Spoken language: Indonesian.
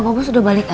pak bos udah balik aja